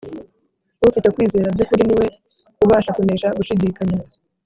. Ufite kwizera by’ukuri ni we ubasha kunesha gushidikanya